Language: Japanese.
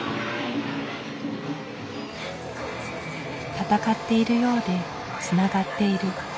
戦っているようでつながっている。